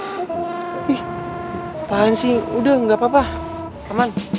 ih apaan sih udah gak apa apa aman